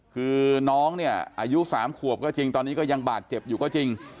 คือน้องเนี่ยอายุ๓ขวบก็จริงตอนนี้ก็ยังบาดเจ็บอยู่ก็จริง